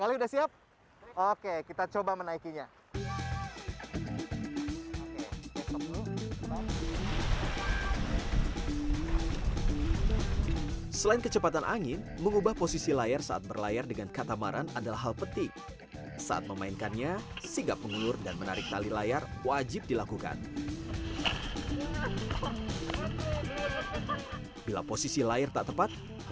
gasing ini dipertandingkan dalam arti kata